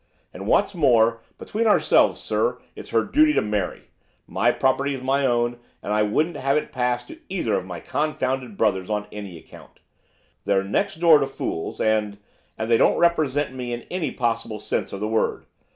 And what's more, between ourselves, sir, it's her duty to marry. My property's my own, and I wouldn't have it pass to either of my confounded brothers on any account. They're next door to fools, and and they don't represent me in any possible sense of the word.